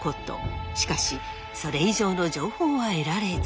しかしそれ以上の情報は得られず。